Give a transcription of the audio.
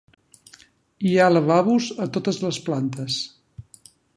Hi ha lavabos a totes les plantes.